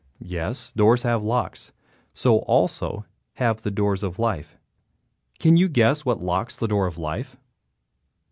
Yes, doors have locks. So also have the doors of life. Can you guess what locks the door of life?